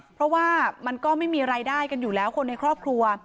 เพราะว่ามันก็ไม่มีรายได้กันอยู่แล้วคนในครอบครัว